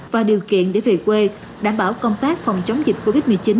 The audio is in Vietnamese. và điều kiện để về quê đảm bảo công tác phòng chống dịch covid một mươi chín